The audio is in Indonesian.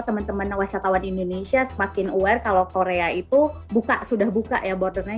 teman teman wisatawan indonesia semakin aware kalau korea itu buka sudah buka ya bordernya